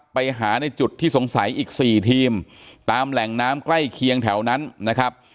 ไปหาในจุดที่สงสัยอีก๔ทีมตามแหล่งน้ำใกล้เคียงแถวนั้นนะครับ